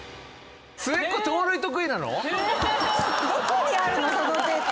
どこにあるの⁉そのデータ。